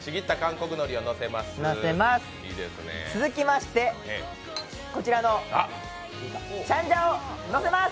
続きまして、こちらのチャンジャをのせます。